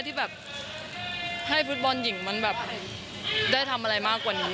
ที่แบบให้ฟุตบอลหญิงมันแบบได้ทำอะไรมากกว่านี้